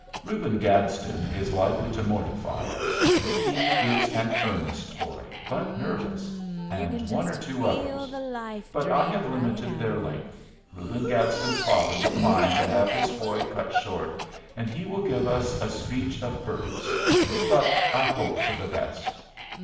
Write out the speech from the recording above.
"Reuben Gadsden is likely to mortify us. He is an earnest boy, but nervous; and one or two others. But I have limited their length. Reuben Gadsden's father declined to have his boy cut short, and he will give us a speech of Burke's; but I hope for the best.